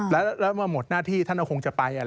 แล้วมาหมดหน้าที่ท่านก็คงจะไป